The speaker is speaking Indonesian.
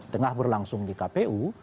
tapi kalau anda mungkin sudah melihat di kpu